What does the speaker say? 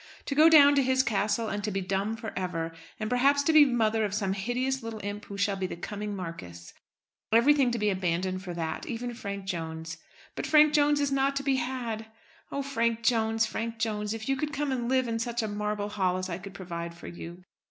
To go down to his castle, and to be dumb for ever, and perhaps to be mother of some hideous little imp who shall be the coming marquis. Everything to be abandoned for that, even Frank Jones. But Frank Jones is not to be had! Oh, Frank Jones, Frank Jones! If you could come and live in such a marble hall as I could provide for you!